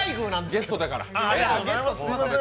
ゲストだから。